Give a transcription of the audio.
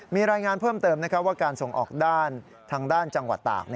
มีรายงานเพิ่มเติมว่าการส่งออกด้านทางด้านจังหวัดตาก